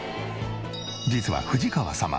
実は藤川様